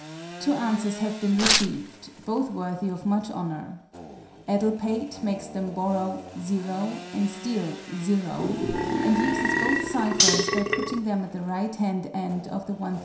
Two answers have been received, both worthy of much honour. ADDLEPATE makes them borrow "0" and steal "0," and uses both cyphers by putting them at the right hand end of the 1,000_l.